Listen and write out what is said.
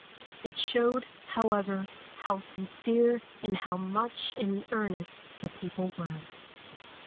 It showed, however, how sincere and how much in earnest the people were.